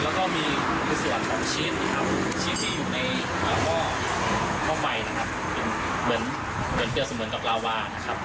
แล้วก็มีผิดส่วนของชีทครับชีทที่อยู่ในรับว่าข้องไหมเป็นเกี่ยวเสมือนกับลาวา